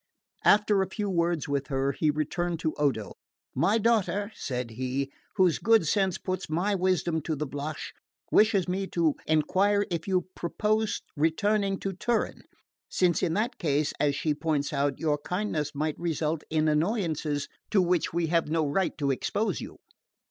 After a few words with her, he returned to Odo. "My daughter," said he, "whose good sense puts my wisdom to the blush, wishes me first to enquire if you purpose returning to Turin; since in that case, as she points out, your kindness might result in annoyances to which we have no right to expose you."